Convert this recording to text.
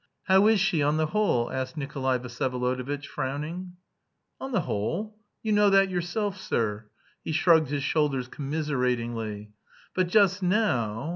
"How is she, on the whole?" asked Nikolay Vsyevolodovitch, frowning. "On the whole? You know that yourself, sir." He shrugged his shoulders commiseratingly. "But just now...